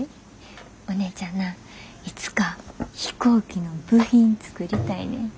おねえちゃんないつか飛行機の部品作りたいねん。